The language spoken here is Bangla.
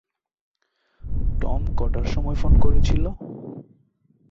টম কটার সময় ফোন করেছিল?